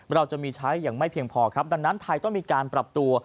เราจะมีใช้อย่างไม่เพียงพอครับดังนั้นไทยต้องมีการปรับตัว